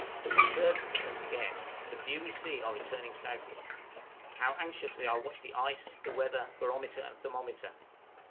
Birds have become scarce, the few we see are returning southward. How anxiously I watch the ice, weather, barometer, and thermometer!